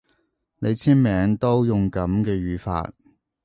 你簽名都用噉嘅語法